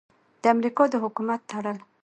د امریکا د حکومت تړل: